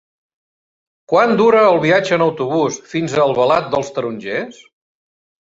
Quant dura el viatge en autobús fins a Albalat dels Tarongers?